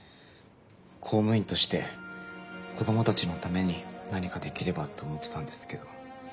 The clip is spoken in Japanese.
公務員として子供たちのために何かできればと思ってたんですけど。